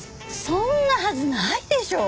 そんなはずないでしょ！